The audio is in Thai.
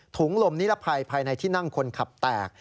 ลมนิรภัยภายในที่นั่งคนขับแตก